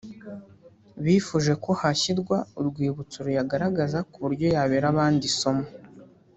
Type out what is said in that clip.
bifuje ko hashyirwa urwibutso ruyagaragaza ku buryo yabera abandi isomo